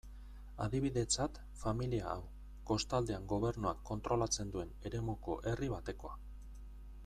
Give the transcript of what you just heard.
Adibidetzat, familia hau, kostaldean gobernuak kontrolatzen duen eremuko herri batekoa.